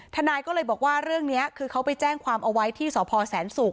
ทนายก็เลยบอกว่าเรื่องนี้คือเขาไปแจ้งความเอาไว้ที่สพแสนศุกร์